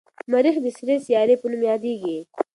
مریخ د سرې سیارې په نوم یادیږي.